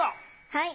はい。